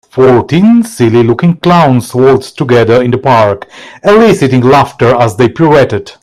Fourteen silly looking clowns waltzed together in the park eliciting laughter as they pirouetted.